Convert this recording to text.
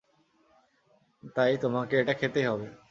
তাই, তোমাকে এটা খেতেই হবে।